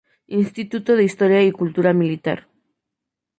Instituto de Historia y Cultura Militar